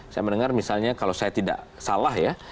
saya mendengar misalnya kalau saya tidak salah ya